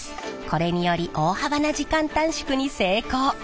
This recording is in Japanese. これにより大幅な時間短縮に成功。